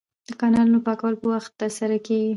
د کانالونو پاکول په وخت ترسره کیږي.